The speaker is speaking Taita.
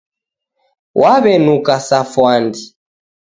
Wawenuka sa fwandi.